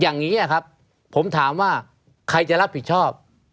อย่างนี้ครับผมถามว่าใครจะรับผิดชอบ